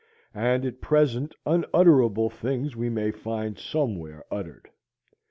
The at present unutterable things we may find somewhere uttered.